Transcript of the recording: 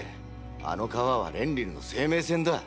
あの川はレンリルの生命線だ。